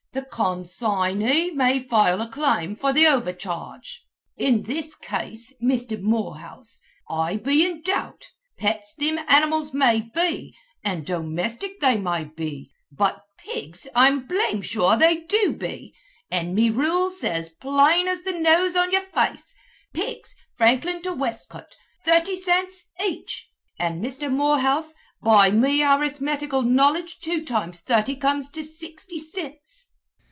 The con sign ey may file a claim for the overcharge.' In this case, Misther Morehouse, I be in doubt. Pets thim animals may be, an' domestic they be, but pigs I'm blame sure they do be, an' me rules says plain as the nose on yer face, 'Pigs Franklin to Westcote, thirty cints each.' An' Mister Morehouse, by me arithmetical knowledge two times thurty comes to sixty cints."